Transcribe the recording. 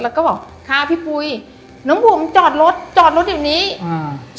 แล้วก็บอกค่ะพี่ปุ๋ยน้องบุ๋มจอดรถจอดรถอยู่นี้อ่า